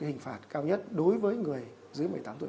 hình phạt cao nhất đối với người dưới một mươi tám tuổi